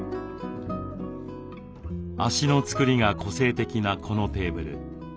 脚のつくりが個性的なこのテーブル